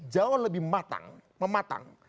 jauh lebih mematang